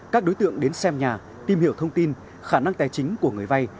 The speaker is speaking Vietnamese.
các đối tượng đến xem nhà tìm hiểu thông tin khả năng tài chính của người vay